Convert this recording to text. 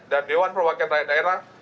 dan dewan perwakilan rakyat daerah